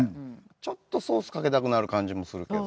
ちょっとソースかけたくなる感じもするけど。